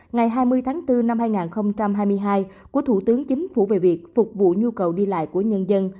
ngày hai mươi tháng bốn năm hai nghìn hai mươi hai của thủ tướng chính phủ về việc phục vụ nhu cầu đi lại của nhân dân